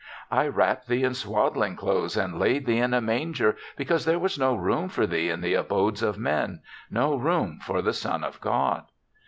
I wrapped thee in swaddling clothes and laid thee in a manger because there was no room for thee in the abodes of men — ^no room for the son of God